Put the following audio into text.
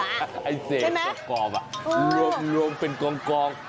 ใช่ไหมไอ้เศษกรอบลวงเป็นกอง